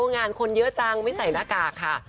งานคนเยอะจังไม่ใส่หน้ากากค่ะ